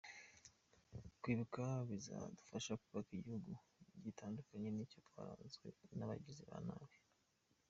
Kwibuka bizadufasha kubaka igihugu gitandukanye n’icyo twarazwe n’abagizi ba nabi.